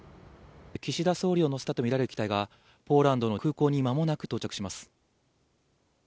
岸田総理を乗せたと見られる機体が、ポーランドの空港にまもなく到着します。